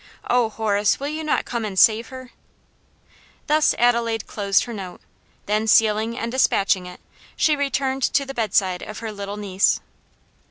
Oh, Horace, will you not come and save her?" Thus Adelaide closed her note; then sealing and despatching it, she returned to the bedside of her little niece.